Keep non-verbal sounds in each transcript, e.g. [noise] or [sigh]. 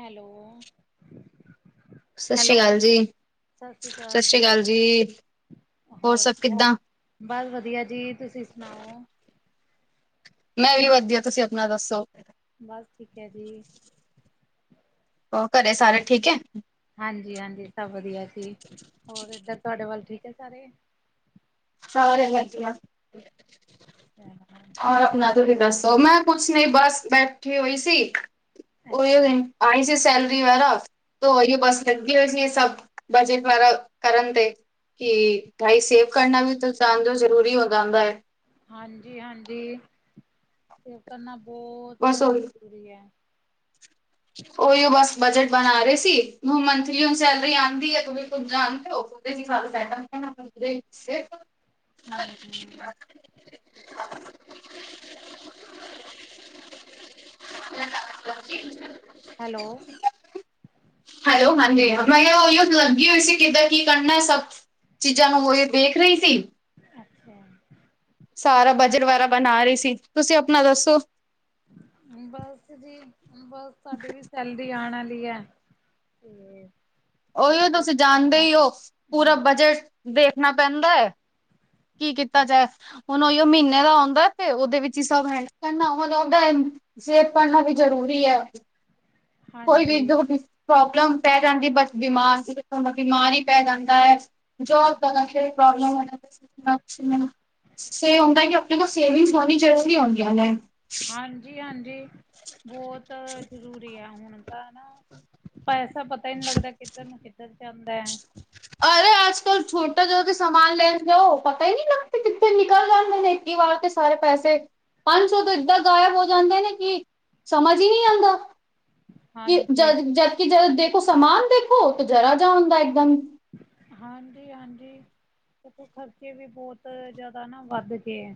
Hello. ਸਤਿ ਸ੍ਰੀ hello ਅਕਾਲ ਜੀ। ਸਤਿ ਸ੍ਰੀ ਅਕਾਲ ਦੀਦੀ ਹੋਰ ਸਭ ਕੀ ਹਾਲ? ਕਿੱਦਾਂ? ਬਸ ਵਧੀਆ ਜੀ ਤੁਸੀਂ ਸੁਣਾਓ? ਮੈਂ ਵੀ ਵਧੀਆ ਤੁਸੀਂ ਆਪਣਾ ਦੱਸੋ? ਬਸ ਠੀਕ ਏ ਜੀ। ਉ ਘਰੇ ਸਾਰੇ ਠੀਕ ਏ? ਹਾਂਜੀ, ਹਾਂਜੀ ਸਭ ਵਧੀਆ ਜੀ ਹੋਰ ਇੱਧਰ ਤੁਆਡੇ ਵੱਲ ਠੀਕ ਏ ਸਾਰੇ? ਸਾਰੇ ਵਧੀਆ। [unintelligible] ਹੋਰ ਆਪਣਾ ਤੁਸੀਂ ਦੱਸੋ, ਮੈਂ ਕੁੱਛ ਨ ਬਸ ਬੈਠੀ ਹੋਈ ਸੀ ਹੀ ਆਈ ਜੇ ਸੈਲਰੀ ਵਗੈਰਾ ਤੇ ਔਹੀ ਬਸ ਲਗੀ ਹੋਈ ਸੀ ਸਭ ਬਜਟ ਵਗੈਰਾ ਕਰਨ ਤੇ ਕਿ ਗਾਈ ਸੇਵ ਕਰਨਾ ਵੀ ਜਾਣਦੇ ਓ ਜ਼ਰੂਰੀ ਹੋ ਜਾਂਦਾ ਐ। ਹਾਂਜੀ, ਹਾਂਜੀ ਸੇਵ ਕਰਨਾ ਬਹੁਤ ਬਸ ਉਹੀ ਜ਼ਰੂਰੀ ਐ। ਉਹੀਓ ਬਸ ਬਜਟ ਬਣਾ ਰਹੇ ਸੀ। ਹੁਣ ਮੰਥਲੀ ਹੁਣ ਸੈਲਰੀ ਆਉਂਦੀ ਹੈ ਤੁਸੀਂ ਕੁਛ ਜਾਣਤੇ ਹੋ? ਹਮ [unintelligible] [inaudible] [unintelligible] ਹੈਲੋ ਹੈਲੋ, ਹਾਂਜੀ ਮੈਂ ਕਿਹਾ ਉਹੀ ਲੱਗੀ ਹੋਈ ਸੀ ਕਿੱਦਾਂ ਕੀ ਕਰਨਾ ਸਭ? ਚੀਜ਼ਾਂ ਨੂੰ ਔ ਹੀ ਦੇਖ ਰਹੀ ਸੀ। ਅੱਛਾ ਐ ਸਾਰਾ ਬਜਟ ਵਗੈਰਾ ਬਣਾ ਰਹੀ ਸੀ ਤੁਸੀਂ ਆਪਣਾ ਦੱਸੋ? ਬਸ ਜੀ ਬਸ ਸਾਡੇ ਵੀ ਸੈਲਰੀ ਆਣ ਆਲੀ ਏ ਤੇ ਓਹੀਓ ਤੁਸੀਂ ਬਜਟ ਜਾਣਦੇ ਬਣਾਉਣਾ ਈ ਓ ਪੂਰਾ ਹਮ ਬਜਟ ਦੇਖਣਾ ਪੈਂਦਾ ਹੈ ਕੀ ਕੀਤਾ ਜਾਏ ਹੁਣ ਉਹੀਓ ਮਹੀਨੇ ਦਾ ਆਉਂਦਾ ਏ ਉਹਦੇ ਵਿੱਚ ਹੀ ਸਭ ਹੈ [unintelligible] ਕਰਨਾ ਵੀ ਜਰੂਰੀ ਹੈ ਕੋਈ ਵੀ ਹਾਂਜੀ ਜੋ ਪ੍ਰੋਬਲਮ ਪੈ ਜਾਂਦੀ ਬਸ ਬਿਮਾਰ ਸੀ ਬਿਮਾਰ ਹੀ ਪੈ ਜਾਂਦਾ ਹੈ, ਜੋ ਤਰ੍ਹਾਂ ਦੀ ਪ੍ਰੋਬਲਮ ਹੋ ਜਾਂਦੀ ਸ ਹੁੰਦਾ ਕਿ ਆਪਣੇ ਕੋਲ ਸੇਵਿੰਗਸ ਹੋਣੀ ਜ਼ਰੂਰੀ ਹੁੰਦੀਆਂ ਨੇ। ਹਾਂਜੀ, ਹਾਂਜੀ ਬਹੁਤ ਜ਼ਰੂਰੀ ਐ ਹੁਣ। ਤਾਂ ਨਾ ਪੈਸਾ ਪਤਾ ਹੀ ਨਹੀਂ ਲੱਗਦਾ ਕਿੱਧਰ ਨੂੰ ਕਿੱਧਰ ਜਾਂਦਾ ਹੈ। ਅਰੇ। ਆਜ ਕੱਲ ਛੋਟਾ ਜਾ ਵੀ ਸਮਾਨ ਲੈਂਣ ਜਾਉ, ਪਤਾ ਹੀ ਨਹੀ ਲੱਗਦਾ ਕਿੱਥੇ ਨਿਕਲ ਜਾਂਦੇ ਨੇ। ਕੀ ਵਾਰਤੇ ਸਾਰੇ ਪੈਸੇ, ਪੰਜ ਸੌ ਤੋਂ ਏਦਾਂ ਗਾਇਬ ਹੋ ਜਾਂਦੇ ਨੇ ਕਿ ਸਮਝ ਹੀ ਨਹੀਂ ਆਂਦਾ। ਕਿ ਹਾਂਜੀ ਜਦ ਜਦਕਿ ਜਦ ਦੇਖੋ ਸਮਾਨ ਦੇਖੋ ਤੇ ਜਰਾ ਜਿਹਾ ਹੁੰਦਾ ਇੱਕਦਮ। ਹਾਂਜੀ, ਹਾਂਜੀ। ਕਿਉਂਕਿ ਖਰਚੇ ਵੀ ਬਹੁਤ ਜਿਆਦਾ ਨਾ ਵੱਧ ਗਏ ਐ।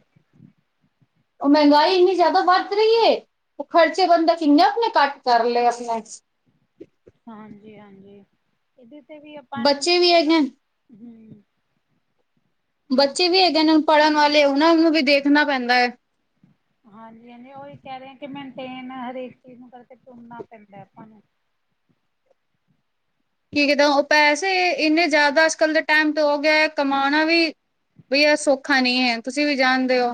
ਉਹ ਮਹਿੰਗਾਈ ਇੰਨੀ ਜ਼ਿਆਦਾ ਵੱਧ ਰਹੀ ਹੈ, ਉਹ ਖਰਚੇ ਬੰਦਾ ਕਿੰਨੇ ਆਪਣੇ ਘੱਟ ਕਰ ਲਏ ਆਪਣੇ। ਹਾਂਜੀ, ਹਾਂਜੀ ਇਹਦੇ ਤੇ ਵੀ ਆਪਾਂ ਨੂੰ ਬੱਚੇ ਵੀ ਪੂਰਾ ਹੈਗੇ ਹਮ। ਬੱਚੇ ਵੀ ਹੈਗੇ ਨੇ ਪੜ੍ਹਨ ਵਾਲੇ ਉਹਨਾਂ ਨੂੰ ਵੀ ਦੇਖਣਾ ਪੈਂਦਾ। ਹਾਂਜੀ, ਹਾਂਜੀ ਉਹੀ ਕਹਿ ਰਹੇ, ਕਿ ਮੇਨਟੇਨ ਹਰੇਕ ਚੀਜ਼ ਨੂੰ ਕਰਕੇ ਤੁਰਨਾ ਪੈਂਦਾ ਆਪਾਂ ਨੂੰ ਕੀ ਜਦੋਂ ਪੈਸੇ ਇੰਨੇ ਜ਼ਿਆਦਾ ਅੱਜ- ਕੱਲ ਦੇ ਟੈਮ ਤੋਂ ਹੋ ਗਿਆ ਏ ਕਮਾਉਣਾ ਵੀ ਬਈ ਆ ਸੌਖਾ ਨਹੀਂ ਐ, ਤੁਸੀਂ ਵੀ ਜਾਣਦੇ ਓ।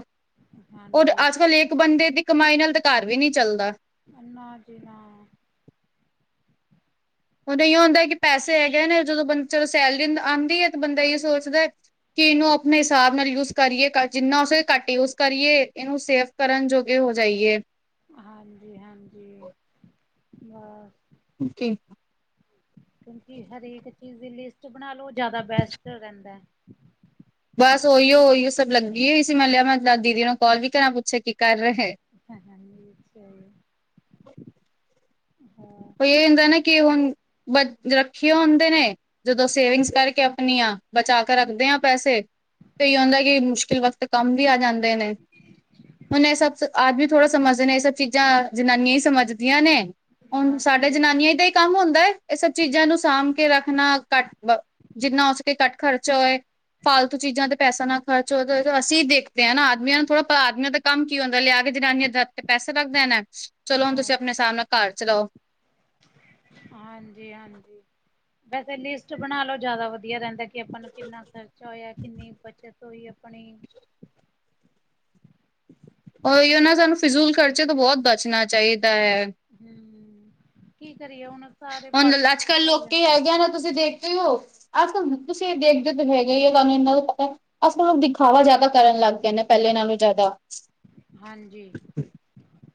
ਔਰ ਹਾਂਜੀ ਅੱਜ- ਕੱਲ ਏਕ ਬੰਦੇ ਦੀ ਕਮਾਈ ਨਾਲ ਤਾਂ ਘਰ ਵੀ ਨੀ ਚੱਲਦਾ। ਅੰਨਾ ਜੀਣਾ। ਹੁਣ ਇਹੀਓ ਹੁੰਦਾ ਕਿ ਪੈਸੇ ਹੈਗੇ ਨੇ ਜਦੋਂ ਬੰਦ ਚਲੋ ਸੈਲਰੀ ਆਉਂਦੀ ਹੈ ਤਾਂ ਬੰਦਾ ਇਹੀਓ ਸੋਚਦਾ ਕਿ ਇਹਨੂੰ ਆਪਣੇ ਹਿਸਾਬ ਨਾਲ ਯੂਜ ਕਰੀਏ ਜਿੰਨਾ ਉਸ ਘੱਟ ਯੂਜ ਕਰੀਏ, ਇਹਨੂੰ ਸੇਫ ਕਰਨ ਜੋਗੇ ਹੋ ਜਾਈਏ। ਹਾਂਜੀ-ਹਾਂਜੀ ਬਸ। ਓਕੇ ਕਿਉਂਕਿ ਹਰੇਕ ਚੀਜ਼ ਦੀ ਲਿਸਟ ਬਣਾ ਲਓ, ਜ਼ਿਆਦਾ ਬੈਸਟ ਰਹਿੰਦਾ। [inaudible] ਬਸ ਓਹੀਓ ਉਹੀਓ ਸਭ ਲੱਗੀ ਹੋਈ ਸੀ, ਮੈਂ ਕਿਆ ਲਿਆ ਮੈਂ ਦਾਦੀ ਜੀ ਨੂੰ ਕਾਲ ਵੀ ਕਰਾਂ, ਪੁੱਛਾ ਕੀ ਕਰ ਰਹੇ। ਹਹਾਂ -ਹਹਾਂ ਅੱਛੇ ਹੋਏ, ਹਾਂ। ਕੋਈ ਇਹ ਹੁੰਦਾ ਨਾ ਕਿ ਹੁਣ, ਬ ਰੱਖੀ ਹੁੰਦੇ ਨੇ। ਜਦੋਂ ਸੇਵਿੰਗਸ ਕਰਕੇ ਆਪਣੀਆ, ਬਚਾ ਕੇ ਰੱਖਦੇ ਆਂ ਪੈਸੇ, ਤੇਈ ਹੁੰਦਾ ਕਿ ਮੁਸ਼ਕਿਲ ਵਕਤ ਕੰਮ ਵੀ ਆ ਜਾਂਦੇ ਨੇ। ਹੁਣ ਇਹ ਸਭ, ਆਦਮੀ ਥੋੜ੍ਹਾ ਸਮਝਦੇ ਨੇ, ਐਹ ਸਭ ਚੀਜ਼ਾਂ ਜਨਾਨੀਆਂ ਹੀ ਸਮਝਦੀਆਂ ਨੇ। ਹੁਣ ਸਾਡੇ ਹਾਂਜੀ ਜਨਾਨੀਆਂ ਦਾ ਕੰਮ ਹੀ ਹੁੰਦਾ, ਇਹ ਸਭ ਚੀਜ਼ਾਂ ਨੂੰ ਸਾਂਭ ਕੇ ਰੱਖਣਾ, ਘੱਟ ਵ ਜਿੰਨਾ ਹੋ ਸਕੇ ਘੱਟ ਖਰਚਾ ਹੋਏ, ਫਾਲਤੂ ਚੀਜ਼ਾਂ ਤੇ ਪੈਸਾ ਨਾ ਖਰਚ ਹੋਏ, ਅਸੀਂ ਦੇਖਦੇ ਆਂ ਨਾ ਆਦਮੀਆਂ ਨੂੰ ਥੋੜ੍ਹਾ ਪਤਾ ਆਦਮੀਆਂ ਦਾ ਕੰਮ ਕੀ ਹੁੰਦਾ ਲਿਆ ਕੇ ਜਨਾਨੀਆਂ ਦੇ ਹਥ ਤੇ ਪੈਸਾ ਰਖ ਦੇਣਾ, ਚਲੋ ਹੁਣ ਹਾਂ ਤੁਸੀਂ ਆਪਣੇ ਹਿਸਾਬ ਨਾਲ ਘਰ ਚਲਾਉ। ਹਾਂਜੀ, ਹਾਂਜੀ। ਵੈਸੇ ਲਿਸਟ ਬਣਾ ਲਓ ਜ਼ਿਆਦਾ ਵਧੀਆ ਰੈਂਦਾ ਕਿ ਆਪਾਂ ਨੂੰ ਕਿੰਨਾ ਖਰਚਾ ਹੋਇਆ ਕਿੰਨੀ ਬੱਚਤ। ਕੋਈ ਆਪਣੀ [inaudible] ਉਹੀਓ ਨਾ ਸਾਨੂੰ ਫਿਜ਼ੂਲ ਖਰਚੇ ਤੋਂ ਬਹੁਤ ਬਚਣਾ ਚਾਹੀਦਾ ਐ। ਹਮ, ਕੀ ਕਰੀਏ ਹੁਣ। ਸਾਰੇ ਹੁਣ ਪਾਸੇ ਅੱਜ- ਕੱਲ ਖਰਚਾ ਹੋ ਲੋਕੀ ਜਾਂਦਾ ਹੈਗੇ ਨੇ, ਤੁਸੀਂ ਦੇਖਦੇ ਓ। ਅੱਜ-ਕੱਲ ਤੁਸੀਂ ਦੇਖਦੇ ਓ ਤੇ ਹੈਗੇ ਹੀ ਆ ਤੁਹਾਨੂੰ ਇਹਨਾ ਤਾਂ ਪਤਾ। ਅੱਜ-ਕੱਲ ਦਿਖਾਵਾ ਜਿਆਦਾ ਕਰਨ ਲੱਗ ਗਏ ਨੇ, ਪਹਿਲੇ ਨਾਲੋਂ ਜ਼ਾਦਾ। ਹਾਂਜੀ।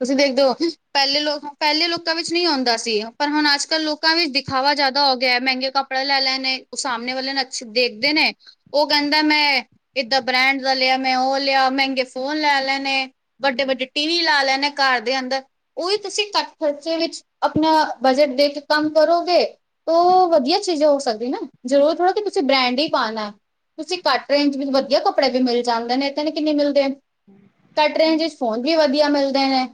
ਤੁਸੀਂ ਦੇਖਦੇ ਓ, ਪਹਿਲੇ ਲੋਕ, ਪਹਿਲੇ ਲੋਕਾਂ ਵਿੱਚ ਨਹੀਂ ਹੁੰਦਾ ਸੀ ਪਰ ਹੁਣ ਅਜ ਅੱਜ- ਕੱਲ ਲੋਕਾਂ ਵਿੱਚ ਦਿਖਾਵਾ ਜ਼ਿਆਦਾ ਹੋ ਗਿਆ। ਮਹਿੰਗੇ ਕੱਪੜੇ ਲੈ ਲੈਨੇ, ਉਹ ਸਾਹਮਣੇ ਵਾਲੇ ਅੱਛੇ ਦੇਖਦੇ ਨੇ ਉਹ ਕਹਿੰਦਾ ਮੈਂ, ਏਦਾਂ ਬ੍ਰੈਂਡ ਦਾ ਲਿਆ, ਮੈਂ ਉਹ ਲਿਆ, ਮਹਿੰਗੇ ਫੋਨ ਲੈ ਲੈਣੇ। ਵੱਡੇ- ਹੂੰ ਵੱਡੇ ਟੀ ਵੀ ਲਾ ਲੈਂਣੇ, ਘਰ ਦੇ ਅੰਦਰ। ਉਹੀ ਤੁਸੀਂ ਘੱਟ ਖਰਚੇ ਵਿੱਚ, ਆਪਣਾ ਬਜਟ ਦੇਖ ਕੰਮ ਕਰੋਗੇ, ਤੋ ਵਧੀਆ ਚੀਜ਼ਾਂ ਹੋ ਸਕਦੀ ਨਾ, ਜ਼ਰੂਰੀ ਥੋੜਾ ਤੁਸੀ ਬ੍ਰੈਂਡ ਹੀ ਪਾਣਾ, ਤੁਸੀਂ ਘੱਟ ਰੇਂਜ ਵਿੱਚ ਵਧੀਆ ਕੱਪੜੇ ਵੀ ਮਿਲ ਜਾਂਦੇ ਨੇ, ਐਦਾਂ ਦੇ ਕਿੰਨੇ ਮਿਲਦੇ ਕੱਟ ਰੇਂਜ ਹੁਣ ਵਿੱਚ ਫ਼ੋਨ ਵੀ ਵਧੀਆ ਮਿਲਦੇ ਨੇ,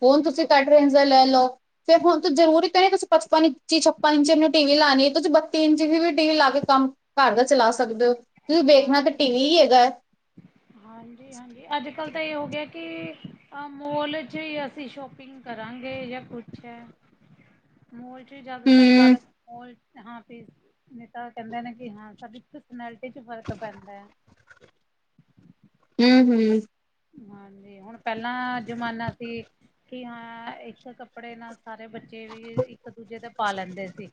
ਫ਼ੋਨ ਤੁਸੀਂ ਘੱਟ ਰੇਂਜ ਦਾ ਲੈ ਲਓ। ਫਿਰ ਹੁਣ ਤੂੰ ਜ਼ਰੂਰੀ ਤਾਂ ਨਹੀਂ ਤੁਸੀਂ ਪਚਪਨ ਇੰਚ ਈ ਛੱਪਨ ਇੰਚੀ ਆਪਣੀ ਟੀ ਵੀ ਲਾਉਣੀ, ਤੁਸੀ ਬੱਤੀ ਇੰਚੀ ਵੀ ਟੀਵ ਵੀ ਲਾ ਕੇ ਕੰਮ ਘਰ ਦਾ ਚਲਾ ਸਕਦੇ ਓ। ਤੁਸੀਂ ਵੇਖਣਾ ਤਾਂ ਟੀਵੀ ਹੈਗਾ। ਹਾਂਜੀ-ਹਾਂਜੀ। ਅੱਜ-ਕਲ ਤਾਂ ਇਹ ਹੋ ਗਿਆ ਕਿ ਏ ਮੋਲ 'ਚ ਹੀ ਅਸੀਂ ਸ਼ੋਪਿੰਗ ਕਰਾਂਗੇ ਜਾਂ ਕੁਛ ਐ, ਮਾ ਜ਼ਿਆਦਾਤਰ ਹੂੰ ਕਰ [unintelligible] ਹਾਂ ਨੇਤਾ ਕਹਿੰਦੇ ਨੇ ਕਿ ਹਾਂ ਸਾਡੀ ਪਰਸੈਨਿਲ ਫਰਕ ਪੈਦੈ। ਹੂੰ-ਹੂੰ। ਹਾਂਜੀ, ਹੁਣ ਪਹਿਲਾਂ ਜ਼ਮਾਨਾ ਸੀ ਕੀ ਹਾਂ ਇੱਕ ਕੱਪੜੇ ਨਾਲ ਸਾਰੇ ਬੱਚੇ ਬੱਚੇ ਵੀ ਇੱਕ-ਦੂਜੇ ਦੇ ਪਾ ਲੈਂਦੇ ਸੀ,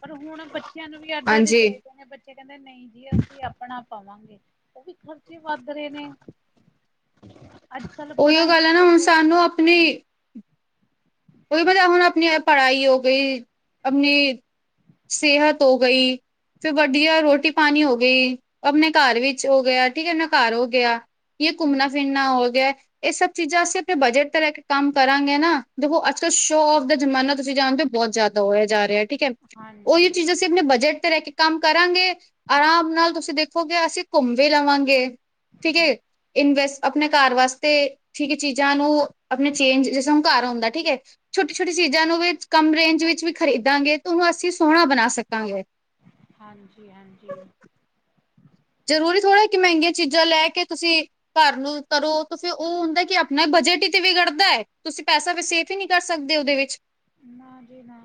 ਪਰ ਹੁਣ ਬੱਚਿਆਂ ਨੂੰ ਵੀ ਅੱਡ-ਅੱਡ ਈ ਹਾਂਜੀ ਚਹੀਦੇ ਨੇ ਬੱਚੇ ਕਹਿੰਦੇ ਨਹੀਂ ਜੀ ਅਸੀਂ ਆਪਣਾ ਪਾਵਾਂਗੇ, ਉਹ ਵੀ ਖਰਚੇ ਵੱਧ ਰਹੇ ਨੇ। ਅੱਜ-ਕਲ ਉਹੀਓ ਗੱਲ ਹੈ ਪੜ੍ਹਾਈਆਂ ਨਾ ਤੇ ਹੁਣ ਬਹੁਤ ਸਾਨੂੰ ਆਪਣੀ ਖਰਚੈ ਉਹੀ ਪਤਾ ਹੁਣ ਆਪਣੀ ਪੜ੍ਹਾਈ ਹੋ ਗਈ। ਆਪਣੀ ਸਿਹਤ ਹੋ ਗਈ, ਫਿਰ ਵੱਡੀੀਆਂ ਰੋਟੀ ਪਾਣੀ ਹੋ ਗਈ। ਆਪਣੇ ਘਰ ਵਿੱਚ ਹੋ ਗਿਆ ਠੀਕ ਐ, ਨਾ ਘਰ ਹੋ ਗਿਆ। ਇਹੁ ਘੁੰਮਣਾ-ਫਿਰਨਾ ਹੋ ਗਿਆ। ਏ ਸਭ ਚੀਜ਼ਾਂ ਅਸੀਂ ਆਪਣੇ ਬਜਟ ਤੇ ਰਹਿ ਕੇ ਕੰਮ ਕਰਾਂਗੇ ਨਾ ਦੇਖੋ ਅੱਜ-ਕਲ ਸ਼ੋਅ ਆਫ ਦਾ ਜਮਾਨਾ ਤੁਸੀਂ ਜਾਣਦੇ ਜ਼ਿਆਦਾ ਹੋਇਆ ਜਾ ਰਿਹਾ ਠੀਕ ਐ। ਹਾਂਜੀ ਉਹੀ ਚੀਜ਼ਾਂ ਅਸੀਂ ਆਪਣੇ ਬਜਟ ਤੇ ਰਹਿ ਕੇ ਕੰਮ ਕਰਾਂਗੇ। ਆਰਾਮ ਨਾਲ ਤੁਸੀਂ ਦੇਖੋਗੇ ਅਸੀਂ ਘੁੰਮ ਵੀ ਲਵਾਂਗੇ। ਠੀਕ ਏ। ਇਨਵੈਸਟ ਆਪਣੇ ਘਰ ਵਾਸਤੇ ਠੀਕ ਚੀਜ਼ਾਂ ਨੂੰ ਆਪਣੇ ਚੇਂਜ ਜੈਸੇ ਹੁਣ ਘਰ ਆਂਦਾ, ਠੀਕ ਏ। ਛੋਟੀ-ਛੋਟੀ ਚੀਜ਼ਾਂ ਨੂੰ ਵੀ ਕੰਮ ਰੇਂਜ ਵਿੱਚ ਵੀ ਖਰੀਦਾਂਗੇ ਤੇ ਉਹਨੂੰ ਅਸੀਂ ਸੋਹਣਾ ਬਣਾ ਸਕਾਂਗੇ। ਹਾਂਜੀ-ਹਾਂਜੀ। ਜ਼ਰੂਰੀ ਥੋੜ੍ਹਾ ਕਿ ਮਹਿੰਗੀਆਂ ਚੀਜ਼ਾਂ ਲੈ ਕੇ ਤੁਸੀਂ ਘਰ ਨੂੰ ਕਰੋ ਤੇ ਫੇਿਰ ਉਹ ਹੁੰਦਾ ਕਿ ਆਪਣਾ ਬਜਟ ਹੀ ਤੇ ਵਿਗੜਦਾ ਆ। ਤੁਸੀਂ ਪੈਸਾ ਵੀ ਸੇ ਤੁਸੀ ਨੀ ਕਰ ਸਕਦੇ ਉਹਦੇ ਵਿੱਚ ਨਾ ਜੀ ਨਾ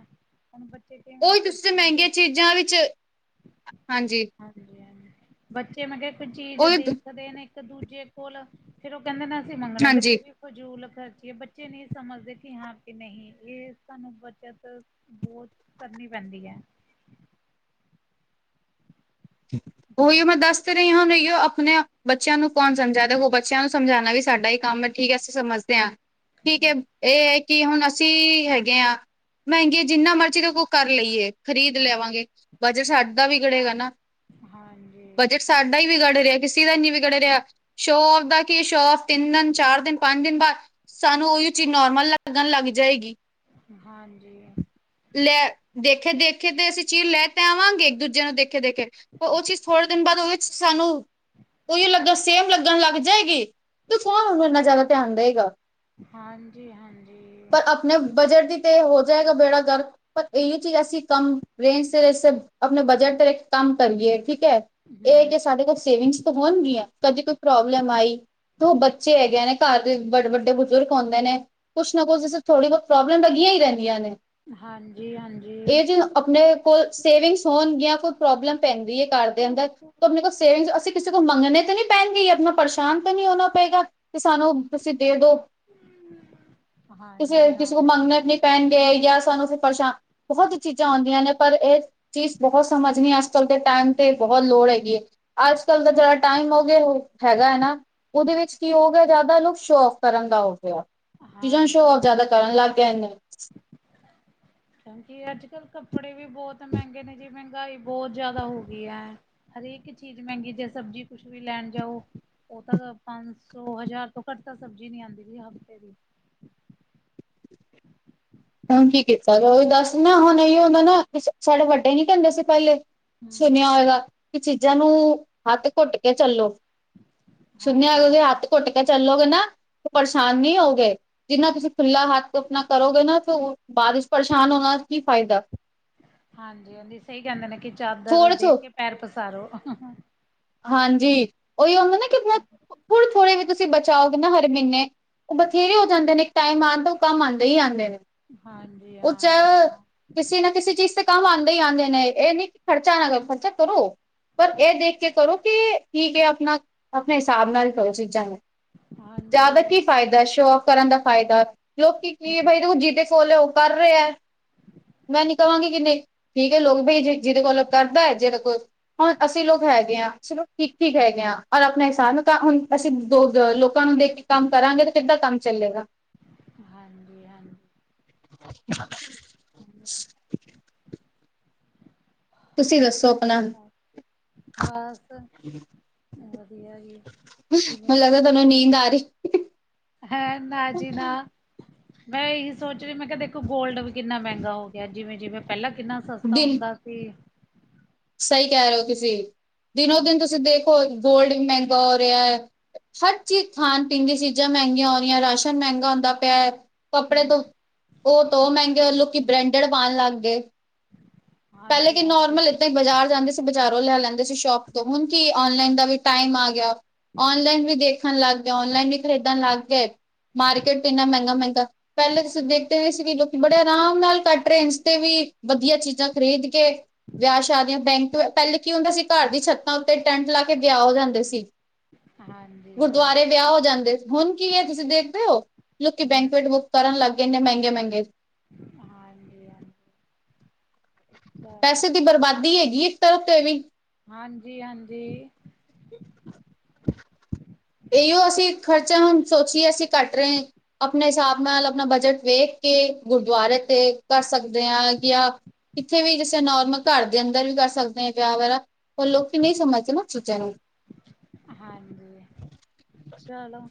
ਹੁਣ ਬੱਚੇ ਕਈ ਵਾਰੀ ਉਹੀ ਕੋਈ ਤੁਸੀਂ ਤੇ ਚੀਜ਼ ਮਹਿੰਗੀਆਂ ਚੀਜ਼ਾਂ ਵਿੱਚ ਹਾਂਜੀ। ਹਾਂਜੀ-ਹਾਂ। ਬੱਚੇ ਮੈਂ ਕਿਹਾ ਕੋ ਚੀਜ਼ ਉਹ ਦੇਖਦੇ ਨੇ ਇੱਕ-ਦੂਜੇ ਕੋਲ ਫੇਰ ਉਹ ਕਹਿੰਦੇ ਨਾ ਅਸੀਂ ਮੰਗਣੇ ਤੇ ਹਾਂਜੀ ਫਜੂਲ ਖਰਚੀ ਆ। ਬੱਚੇ ਨਹੀਂ ਸਮਝਦੇ ਕਿ ਹਾਂ ਕਿ ਨਹੀਂ ਇਹ ਸਾਨੂੰ ਬੱਚਤ ਬਹੁਤ ਕਰਨੀ ਪੈਂਦੀ ਐ। ਉਹੀਓ ਮੈਂ ਦੱਸ ਫਿਰ ਹੁਣ ਇਹੀਓ ਆਪਣੇ ਬੱਚਿਆਂ ਨੂੰ ਕੌਣ ਸਮਝਾਦਾ, ਦੇਖੋ ਉਹ ਬੱਚਿਆਂ ਨੂੰ ਸਮਝਾਉਣਾ ਵੀ ਸਾਡਾ ਹੀ ਕੰਮ ਐ। ਠੀਕ ਐ, ਅਸੀ ਸਮਝਦੇ ਆਂ। ਠੀਕ ਐ। ਇਹ ਹੈ ਕਿ ਹੁਣ ਅਸੀਂ ਹੈਗੇ ਆ, ਮਹਿੰਗੇ ਜਿੰਨਾ ਮਰਜ਼ੀ ਦੇ ਕਰ ਲਈਏ, ਖਰੀਦ ਲਿਆਵਾਂਗੇ। ਬਜਟ ਸਾਡਾ ਵੀਗੜੇਗਾ ਨਾ। ਹਾਂ ਬਜਟ ਸਾਡਾ ਈ ਵਿਗੜ ਰਿਹਾ, ਕਿਸੇ ਦਾ ਨਈ ਵਿਗੜ ਰਿਹਾ। ਸ਼ੋਅ ਆਫ ਦਾ ਕੀ ਐ! ਸ਼ੋ ਆਫ਼ ਤਿੰਨ ਦਿਨ, ਚਾਰ ਦਿਨ, ਪੰਜ ਦਿਨ ਬਾਅਦ ਸਾਨੂੰ ਉਹੀ ਓ ਚੀਜ਼ ਨੋਰਮਲ ਲੱਗਣ ਲੱਗ ਜਾਏਗੀ। ਹਾਂਜੀ। ਲੈ ਦੇਖੇ-ਦੇਖੇ ਤੇ ਅਸੀਂ ਚੀਜ਼ ਲੈ ਤੇ ਆਵਾਂਗੇ ਇੱਕ-ਦੂਜੇ ਨੂੰ ਦੇਖੇ-ਦੇਖੇ ਉਹ ਚੀਜ਼ ਥੋੜੇ ਦਿਨ ਬਾਅਦ, ਉਹਦੇ ਵਿੱਚ ਸਾਨੂੰ ਉਹੀ ਲੱਗਣ ਸੇਮ ਲੱਗਣ ਲੱਗ ਜਾਏਗੀ। ਤੇ ਕੌਣ ਓਨੂੰ ਇੰਨਾ ਜ਼ਿਆਦਾ ਧਿਆਨ ਦੇਏਗਾ? ਹਾਂਜੀ-ਹਾਂਜੀ। [unintelligible] ਬਜਟ ਦੀ ਤੇ ਹੋ ਜਾਏਗਾ ਬੇੜਾ ਗ਼ਰਕ। ਪਰ ਇੋਹੈ ਚੀਜ਼ ਅਸੀਂ ਕੰਮ ਰੇਂਜ ਵਿਚ ਤੇ ਆਪਣੇ ਬਜਟ ਤੇ ਰਹਿ ਕੇ ਕੰਮ ਕਰੀਏ ਠੀਕ ਐ ਏ ਹਮ ਜੇ ਸਾਡੇ ਕੋਲ ਸੇਵਿੰਗਸ ਤਾਂ ਹੋਣਗੀਆਂ ਕਦੇ ਕੋਈ ਪ੍ਰੋਬਲਮ ਆਈ ਦੋ ਬੱਚੇ ਹੈਗੇ ਨੇ ਘਰ ਦੇ ਬ ਵੱਡੇ ਬਜ਼ੁਰਗ ਹੁੰਦੇ ਨੇ ਕੁਛ ਨਾ ਕੁਛ ਇਸੇ ਥੋੜੀ ਬੋਤ ਪ੍ਰੋਬਲਮ ਲੱਗੀਆਂ ਈ ਰੈਂਦੀਆਂ ਨੇ। ਹਾਂਜੀ ਹਾਂਜੀ ਏ ਜੀ ਅਪਨੇ ਕੋਲ ਸੇਵਿੰਗਸ ਹੋਣ ਗਈਆਂ ਕੋਈ ਪ੍ਰੋਬਲਮ ਪੈਂਦੀ ਐ ਘਰ ਦੇ ਅੰਦਰ ਤਾਂ ਅਪਨੇ ਕੋਲ ਸੇਵਿੰਗ ਅਸੀਂ ਕਿਸੇ ਕੋ ਮੰਗਣੇ ਤਾਂ ਨੀ ਪੈਣਗੇ ਅਪਨਾ ਪਰੇਸ਼ਾਨ ਤਾਂ ਨਈ ਹੋਨਾ ਪਏਗਾ ਤੇ ਸਾਨੂੰ ਤੁਸੀਂ ਦੇ ਦੋ ਕਿਸੇ, ਹਾਂਜੀ ਕਿਸੇ ਕੋ ਹਾਂ ਮੰਗਣਾ ਨਈ ਪੈਨ ਗਏ ਯਾਂ ਸਾਨੂੰ ਫਿਰ ਪਰੇਸ਼ਾਨ, ਬੋਹਤ ਚੀਜ਼ਾਂ ਆਉਂਦੀਆਂ ਨੇ ਪਰ ਏ ਚੀਜ਼, ਬੋਹਤ ਸਮਝ ਨਈ ਆ ਕਲ ਤੇ ਟੈਮ ਤੇ ਬੋਹਤ ਲੋੜ ਹੈਗੀ ਏ, ਆੱਜ-ਕੱਲ ਦਾ ਜੇੜਾ ਟਾਈਮ ਹੋ ਗਿਆ ਓ ਹੈਗਾ ਐ ਨਾ ਓਦੇ ਵਿੱਚ ਕੀ ਹੋ ਗਿਆ ਜੈਦਾ ਲੋਕ ਸ਼ੋ ਓਫ ਕਰਨ ਦਾ ਹੋ ਗਿਆ। ਚੀਜ਼ਾਂ ਸ਼ੋਅ ਆਫ ਹਾਂਜੀ ਜੈਦਾ ਕਰਨ ਲੱਗ ਜਾਂਦੇ ਨੇ। ਕਿਉਂਕਿ ਆੱਜ-ਕੱਲ ਕੱਪੜੇ ਵੀ ਬੋਤ ਮ੍ਹੈਂਗੇ ਨੇ ਜੀ ਮ੍ਹੈਂਗਾਈ ਬੋਤ ਜੈਦਾ ਹੋ ਗਈ ਐ। ਹਰੇਕ ਚੀਜ਼ ਮੈਂਗੀ ਯਾ ਸਬਜ਼ੀ ਕੁਛ ਵੀ ਲੈਣ ਜਾਓ। ਓ ਤਾਂ ਪੰਨ ਸੌ ਹਜ਼ਾਰ ਤੋਂ ਘੱਟ ਤਾਂ ਸਬਜ਼ੀ ਨੀ ਆਂਦੀ ਸੀ ਹਫ਼ਤੇ ਦੀ। ਹੁਣ ਕੀ ਕੀਤਾ ਤੂੰ ਦੱਸ ਨਾ ਹੁਣ ਅਈਓ ਹੁੰਦਾ ਨਾ ਸਾਡੇ ਵੱਡੇ ਨੀ ਕੈਂਦੇ ਸੀ ਪੈਲੇ ਹੂੰ, ਸੁਣਿਆ ਹੋਏਗਾ ਕਿ ਚੀਜ਼ਾਂ ਨੂੰ ਹੱਥ ਘੁੱਟ ਕੇ ਚੱਲੋ ਸੁਣਿਆ ਹਾਂਜੀ ਹਾਂ। ਓਏਗਾਹੱਥ ਕੁੱਟ ਕੇ ਚੱਲੋਗੇ ਨਾ ਪਰੇਸ਼ਾਨ ਨੀ ਹੋਗੇ ਜਿੰਨਾ ਤੁਸੀਂ ਖੁੱਲ੍ਹਾ ਹੱਥ ਅਪਨਾ ਕਰੋਗੇ ਨਾ ਤੋ ਬਾਦ ਚ ਪਰੇਸ਼ਾਨ ਹੋਣਾ ਕੀ ਫਾਈਦਾ ਹਾਂਜੀ-ਹਾਂਜੀ ਸਈ ਕੈਂਦੇ ਨੇ ਕਿ ਚਾਦਰ ਥੋੜੇ ਦੇਖ ਥੋ ਕੇ ਪੈਰ ਪਸਾਰੋ ਹਾਂਜੀ ਓਈ ਹੁੰਦਾ ਨਾ ਕਿ ਬੋਤ ਥੋੜੇ-ਥੋੜੇ ਵੀ ਤੁਸੀਂ ਬਚਾਓਗੇ ਨਾ ਹਰ ਮ੍ਹੀਨੇ ਓ ਬਥੇਰੇ ਹੋ ਜਾਂਦੇ ਨੇ ਇੱਕ ਟਾਈਮ ਆਣ ਤੋ ਓ ਕੰਮ ਆਂਦੇ ਈ ਆਂਦੇ ਨੇ ਹਾਂਜੀ ਓ ਚ ਹਾਂ, ਕਿਸੇ ਨਾ ਕਿਸੇ ਚੀਜ਼ ਤੇ ਕੰਮ ਆਂਦੇ ਈ ਆਂਦੇ ਨੇ ਏ ਨੀ ਖਰਚਾ ਨਾ ਕਰੋ, ਖਰਚਾ ਕਰੋ ਪਰ ਐ ਦੇਖ ਕੇ ਕਰੋ ਕਿ ਠੀਕ ਐ ਅਪਣਾ ਅਪਣੇ ਹਿਸਾਬ ਨਾਲ ਕਰੋ ਚੀਜ਼ਾਂ ਨੂੰ ਜਾਦਾ ਹਾਂਜੀ। ਕੀ ਫਾਇਦਾ ਸ਼ੌ ਓਫ ਕਰਨ ਦਾ ਫਾਇਦਾ ਲੋਕ ਕੀ-ਕੀ ਬਈ ਜੀਤੇ ਫੋਲੋ ਓ ਕਰ ਰੇ ਐ। ਮੈਂ ਨੀ ਕਵਾਂਗੀ ਕਿੰਨੇ ਠੀਕ ਏ ਲੋਕ ਬਈ ਜੀ ਜਿਦੇ ਕੋਲ ਕਰਦਾ ਐ ਜਿਦੇ ਕੋਲ ਹੁਣ ਅਸੀਂ ਲੋਕ ਹੈ ਗੇ ਆ, ਚਲੋ ਠੀਕ-ਠੀਕ ਹੈਗੇ ਆ ਓਰ ਅਪਣੇ ਹਿਸਾਬ ਨਾਲ ਤਾਂ ਹੁਣ ਅਸੀਂ ਦੋ ਲੋਕਾਂ ਨੂੰ ਦੇਖੀ ਕੰਮ ਕਰਾਂਗੇ ਤੇ ਕਿੱਦਾਂ ਕੰਮ ਚੱਲੇਗਾ। ਹਾਂਜੀ-ਹਾਂਜੀ। ਤੁਸੀਂ ਦੱਸੋ ਅਪਣਾ? ਬਸ ਵਦੀਆ ਜੀ, ਠੀਕ ਏ। ਮੈਨੂੰ ਲੱਗਦਾ ਤੁਆਨੂੰ ਨੀਂਦ ਆਰੀ ਹੈ ਮੈਜੀ ਨਾ ਮੈਂ ਏਹੀ ਸੋਚ ਰੀ ਮੈਂ ਕਿਆ ਦੇਖੋ ਗੋਲਡ ਵੀ ਕਿੰਨਾ ਮ੍ਹੈਂਗਾ ਹੋ ਗਿਆ ਜਿਵੇਂ-ਜਿਵੇਂ ਪੈਲਾਂ ਕਿੰਨਾ ਸਸਤਾ ਹੁੰਦਾ ਸੀ। ਸਈ ਕੈ ਰੇ ਓ ਤੁਸੀਂ ਦਿਨੋ-ਦਿਨ ਤੁਸੀਂ ਦੇਖੋ ਗੋਲਡ ਮ੍ਹੈਂਗਾ ਹੋ ਰਿਆ ਐ। ਹਰ ਚੀਜ਼, ਖਾਣ-ਪੀਣ ਦੀਆਂ ਚੀਜ਼ਾਂ ਮ੍ਹੈਂਗੀਆਂ ਹੋ ਰਿਆਂ, ਰਾਸ਼ਨ ਮ੍ਹੈਂਗਾ ਹੁੰਦਾ ਪਿਆ ਐ। ਕੱਪੜੇ ਤੋਂ ਓ ਤੋ ਓ ਮ੍ਹੈਂਗੇ ਲੋਕੀ ਬ੍ਰੈਂਡਡ ਪਾਣ ਲੱਗ ਗਏ। ਪੈਲੇ ਕੀ ਹਾਂਜੀ ਹਾਂਜੀ ਨੋਰਮਲ ਏਦਾਂ ਈ ਬਾਜ਼ਾਰ ਜਾਂਦੇ ਸੀ ਬਜ਼ਾਰੋਂ ਲੈ ਲੈਂਦੇ ਸੀ ਸ਼ੋਪ ਤੋਂ ਹੁਣ ਕੀ ਓਨਲਾਈਨ ਦਾ ਵੀ ਟਾਈਮ ਆ ਗਿਆ ਓਨਲਾਈਨ ਵੀ ਦੇ ਖਣ ਲੱਗ ਗਏ ਓਨਲਾਈਨ ਵੀ ਖਰੀਦਣ ਲੱਗ ਗਏ ਮਾਰਕੀਟ ਇੰਨਾ ਮ੍ਹੈਂਗਾ-ਮ੍ਹੈਂਗਾ ਪੈਲੇ ਤੁਸੀਂ ਦੇਖਦੇ ਏ ਸੀ ਵੀ ਲੋਕੀ ਬੜੇ ਆਰਾਮ ਨਾਲ ਕੱਟ ਰੇਂਜ ਤੇ ਵੀ ਵਦੀਆ ਚੀਜ਼ਾਂ। ਖਰੀਦ ਕੇ ਵਿਆਹ- ਸ਼ਾਦੀਆਂ ਬੈਂਕ ਪਹਿਲੇ ਕੀ ਹੁੰਦਾ ਸੀ, ਘਰ ਦੀ ਛੱਤਾਂ ਉੱਤੇ ਟੈਂਟ ਲਾ ਕੇ ਵਿਆਹ ਹੋ ਜਾਂਦੇ ਸੀ। ਹਾਂਜੀ ਗੁਰਦੁਆਰੇ ਹਾਂ। ਵਿਆਹ ਹੋ ਜਾਂਦੇ। ਹੁਣ ਕੀ ਏ ਤੁਸੀਂ ਦੇਖਦੇ ਓ, ਲੋਕੀ ਬੈਂਕੁਇਟ ਬੁੱਕ ਕਰਨ ਲੱਗ ਗਏ ਨੇ ਮਹਿੰਗੇ -ਮਹਿੰਗੇ। ਹਾਂਜੀ - ਹਾਂਜੀ। ਚਲੋ ਪੈਸੇ ਦੀ ਬਰਬਾਦੀ ਹੈਗੀ ਐ, ਇੱਕ ਤਰਫ਼ ਤੇ ਏ ਵੀ। ਹਾਂਜੀ -ਹਾਂਜੀ। ਇਹੀਓ ਅਸੀਂ ਖਰਚਾ ਹੁਣ ਸੋਚੀਏ ਅਸੀਂ ਘਟ ਰਹੇ, ਆਪਣੇ ਹਿਸਾਬ ਨਾਲ ਆਪਣਾ ਬਜਟ ਵੇਖ ਕੇ ਗੁਰਦੁਆਰੇ ਤੇ ਕਰ ਸਕਦੇ ਆਂ ਜਾਂ ਕਿੱਥੇ ਵੀ ਕਿਸੇ ਨੋਰਮਲ ਘਰ ਦੇ ਅੰਦਰ ਵੀ ਕਰ ਸਕਦੇ ਆ ਵਿਆਹ ਵਗ਼ੈਰਾ, ਪਰ ਲੋਕੀਂ ਨਹੀਂ ਸਮਝਦੇ ਇਹ ਚੀਜਾਂ ਨੂੰ। ਹਾਂਜੀ, ਚਲੋ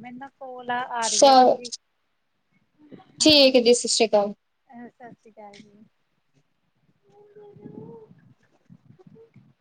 ਮੈਂਨੂੰ ਨਾ ਕੋਲ ਆ ਰਹੀ ਐ ਭੈਣਜੀ, ਠੀਕ ਹਾਂਜੀ। ਹੈ ਜੀ ਸਤਿ ਸ਼੍ਰੀ ਅਕਾਲ ਅਹ ਸ਼ਾਸਰੀ ਕਾਲ ਜੀ।